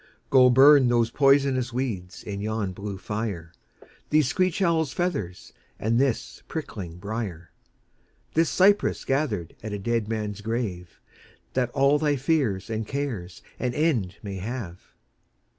Go burn those poisonous weeds in yon blue fire, These screech owl's feathers and this prickling briar, This cypress gathered at a dead man's grave, That all thy fears and cares an end may have.